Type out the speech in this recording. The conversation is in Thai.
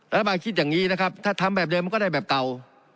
รัฐบาลคิดอย่างนี้นะครับถ้าทำแบบเดิมมันก็ได้แบบเก่า